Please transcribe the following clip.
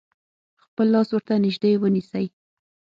خپل لاس ورته نژدې ونیسئ.